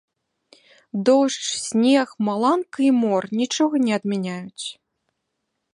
Дождж, снег, маланка і мор нічога не адмяняюць!